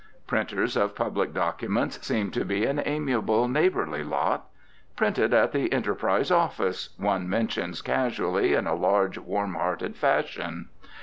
Printers of public documents seem to be an amiable, neighbourly lot: "Printed at the Enterprise Office," one mentions casually in a large, warm hearted fashion.